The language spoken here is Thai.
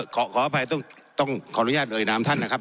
ขออภัยต้องขออนุญาตเอ่ยนามท่านนะครับ